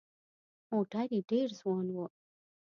موټر یې ډېر ځوان و.